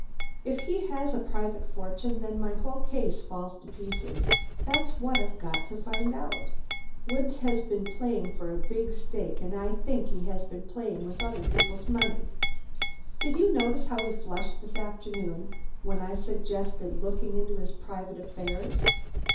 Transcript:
If he has a private fortune, then my whole case falls to pieces. That's what I've got to find out. Woods has been playing for a big stake, and I think he has been playing with other people's money. Did you notice how he flushed this afternoon when I suggested looking into his private affairs?